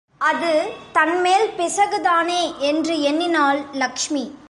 அது தன்மேல் பிசகுதானே என்று எண்ணினாள் லக்ஷ்மி.